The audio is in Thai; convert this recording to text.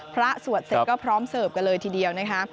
สวดเสร็จก็พร้อมเสิร์ฟกันเลยทีเดียวนะคะ